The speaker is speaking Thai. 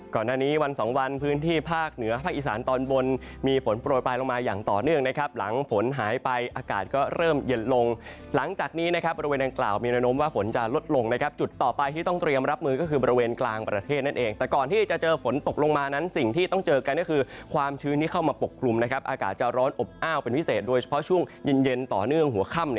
ก่อนหน้านี้วันสองวันพื้นที่ภาคเหนือภาคอีสานตอนบนมีฝนโปรดปลายลงมาอย่างต่อเนื่องนะครับหลังฝนหายไปอากาศก็เริ่มเย็นลงหลังจากนี้นะครับบริเวณดังกล่าวมีแนะนำว่าฝนจะลดลงนะครับจุดต่อไปที่ต้องเตรียมรับมือก็คือบริเวณกลางประเทศนั่นเองแต่ก่อนที่จะเจอฝนตกลงมานั้นสิ่งที่ต้อง